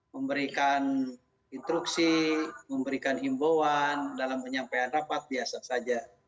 memberikan instruksi memberikan himbauan dalam penyampaian rapat biasa saja